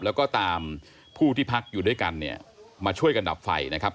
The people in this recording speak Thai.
แล้วก็ตามผู้ที่พักอยู่ด้วยกันเนี่ยมาช่วยกันดับไฟนะครับ